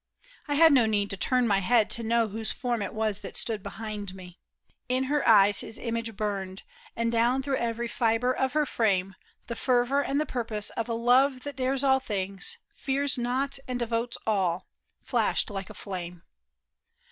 I had no need to turn My head to know whose form it was that stood Behind me. In her eyes his image burned. And down through every fibre of her frame The fervor and the purpose of a love That dares all things, fears nought and devotes all, Flashed like a flame.